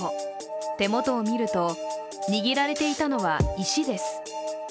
手元を見ると、握られていたのは石です。